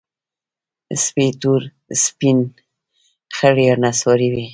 سپي تور، سپین، خړ یا نسواري وي.